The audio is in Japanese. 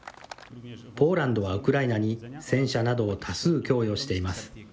ポーランドはウクライナに戦車などを多数供与しています。